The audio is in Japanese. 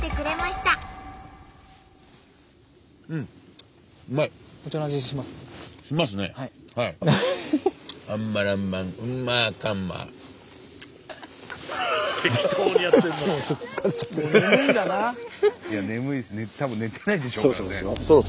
たぶん寝てないでしょうからね。